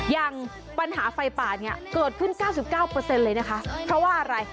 ยังปัญหาไฟป่านงี้เกิดขึ้นเก้าสิบเก้าเปอร์เซ็นต์เลยนะคะเพราะว่าอะไร